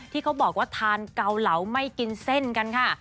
ที่เขาบอกว่าทานเกาเหลาไม่กินเส้นกันค่ะ